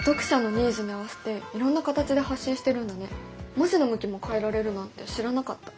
文字の向きも変えられるなんて知らなかった。